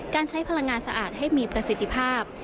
การใช้พลังงานสะอาดให้มีประสิทธิภาพ